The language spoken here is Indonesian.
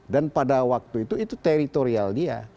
dan pada waktu itu itu teritorial dia